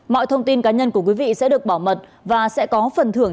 mọi thông tin cá nhân của quý vị sẽ được bảo mật và sẽ có phần thưởng